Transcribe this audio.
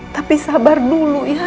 tapi sabar dulu ya